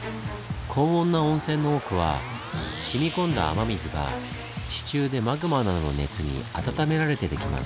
高温な温泉の多くはしみこんだ雨水が地中でマグマなどの熱に温められて出来ます。